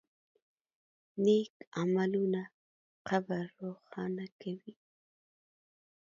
نیک عملونه قبر روښانه کوي.